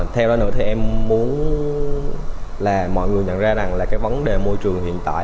theo đó nữa thì em muốn là mọi người nhận ra rằng là cái vấn đề môi trường hiện tại